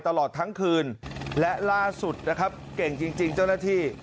ตลอดทั้งคืนและล่าสุดนะครับเก่งจริงเจ้าหน้าที่